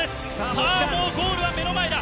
さあ、もうゴールは目の前だ。